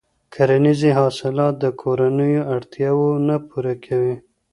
کرنیزې حاصلات د کورنیو اړتیاوې نه پوره کوي.